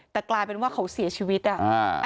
แต่กลายเป็นว่าเขาเสียชีวิตอ่ะ